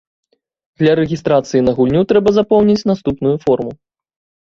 Для рэгістрацыі на гульню трэба запоўніць наступную форму.